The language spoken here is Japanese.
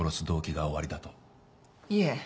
いえ。